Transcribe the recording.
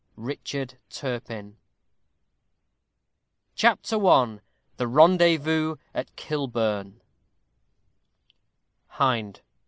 RICHARD TURPIN. CHAPTER I THE RENDEZVOUS AT KILBURN _Hind.